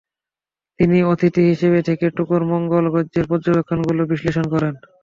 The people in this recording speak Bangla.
তিনি অতিথি হিসেবে থেকে ট্যুকোর মঙ্গল গ্রহের পর্যবেক্ষণগুলো বিশ্লেষণ করেন।